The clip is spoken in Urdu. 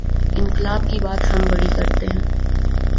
انقلا ب کی بات ہم بڑی کرتے ہیں۔